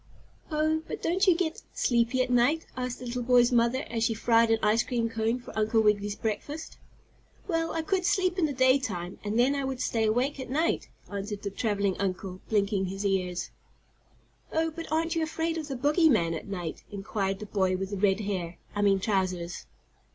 "Oh, but don't you get sleepy at night?" asked the little boy's mother as she fried an ice cream cone for Uncle Wiggily's breakfast. "Well, I could sleep in the day time, and then I would stay awake at night," answered the traveling uncle, blinking his ears. "Oh, but aren't you afraid of the bogeyman at night?" inquired the boy with the red hair I mean trousers.